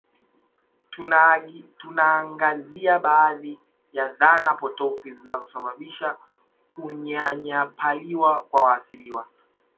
Tunaangazia baadhi ya dhana potofu zinazosababisha kunyanyapaliwa kwa waathiriwa